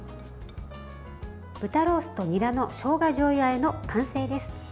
豚ロースとにらのしょうがじょうゆあえの完成です。